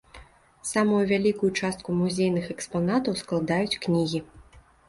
Самую вялікую частку музейных экспанатаў складаюць кнігі.